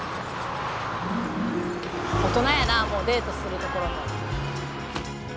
「大人やなもうデートする所も」